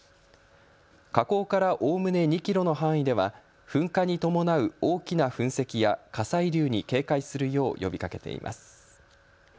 火口からおおむね２キロの範囲では噴火に伴う大きな噴石や火砕流に警戒するよう呼びかけています。